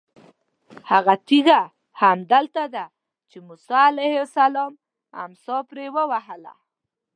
هغه تېږه هم همدلته ده چې موسی علیه السلام امسا پرې ووهله.